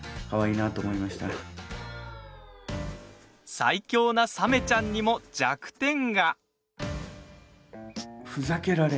最強なサメちゃんにも弱点が。